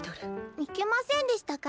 いけませんでしたか？